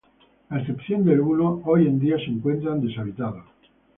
A excepción de uno, hoy en día se encuentran deshabitados.